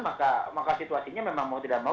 maka situasinya memang mau tidak mau